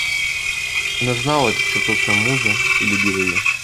Она знала эту черту в своем муже и любила ее.